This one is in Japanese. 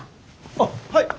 あっはい！